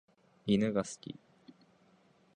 犬が好き。